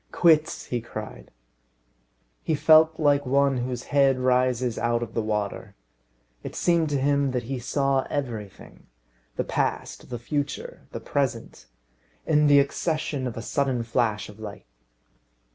"Quits!" he cried. He felt like one whose head rises out of the water. It seemed to him that he saw everything the past, the future, the present in the accession of a sudden flash of light.